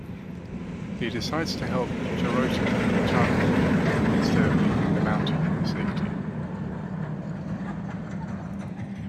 He decides to help Jurota and Taka instead of leaving the mountain for safety.